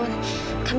kamila yang kesini